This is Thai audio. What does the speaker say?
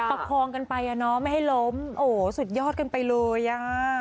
ประคองกันไปอ่ะเนาะไม่ให้ล้มโอ้โหสุดยอดกันไปเลยอ่ะ